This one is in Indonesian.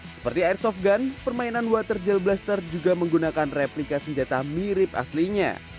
seperti airsoft gun permainan water gel blaster juga menggunakan replika senjata mirip aslinya